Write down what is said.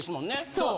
そう。